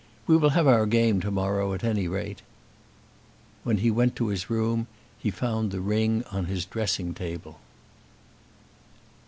We will have our game to morrow at any rate." When he went to his room he found the ring on his dressing table.